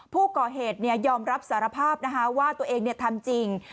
ผู้ก่อเหตุยอมรับสารภาพว่าตัวเองทำจริง